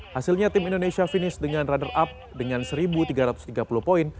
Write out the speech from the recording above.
hasilnya tim indonesia finish dengan runner up dengan satu tiga ratus tiga puluh poin